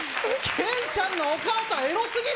けんちゃんのお母さん、エロすぎる！